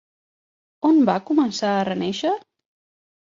On va començar a renéixer?